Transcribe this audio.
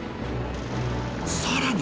さらに